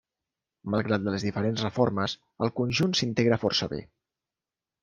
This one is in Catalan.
Malgrat les diferents reformes, el conjunt s'integra força bé.